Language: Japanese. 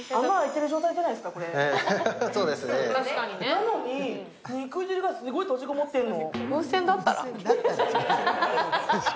なのに、肉汁がすごい閉じこもってるの。